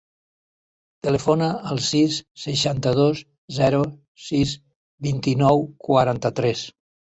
Telefona al sis, seixanta-dos, zero, sis, vint-i-nou, quaranta-tres.